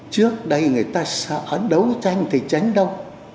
trước đây người ta sợ đấu tranh thì tránh đông